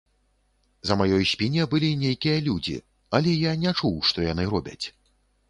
За маёй спіне былі нейкія людзі, але я не чуў, што яны робяць.